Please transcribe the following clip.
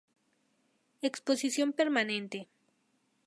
Exposición permanente.